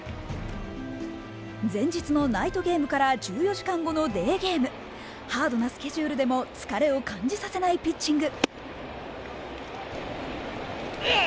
前日のナイトゲームから１４時間後のデーゲームハードなスケジュールでも疲れを感じさせないピッチング。